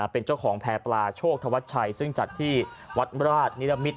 เป็นเจ้าของแพร่ปลาโชคธวัชชัยซึ่งจัดที่วัดราชนิรมิตร